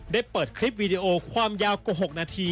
ได้เปิดคลิปวีดีโอความยาวกว่า๖นาที